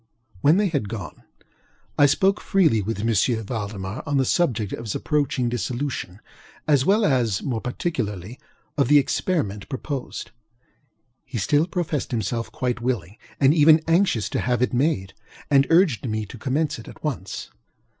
When they had gone, I spoke freely with M. Valdemar on the subject of his approaching dissolution, as well as, more particularly, of the experiment proposed. He still professed himself quite willing and even anxious to have it made, and urged me to commence it at once.